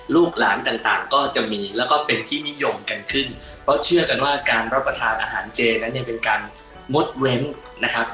ลูกหลานต่างต่างก็จะมีแล้วก็เป็นที่นิยมกันขึ้นเพราะเชื่อกันว่าการรับประทานอาหารเจนั้นเนี่ยเป็นการงดเว้นนะครับ